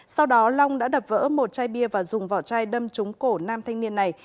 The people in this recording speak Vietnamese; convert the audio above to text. sau đó long đã đập vỡ một chai bia và dùng vỏ chai đâm trúng cổ nam thanh niên này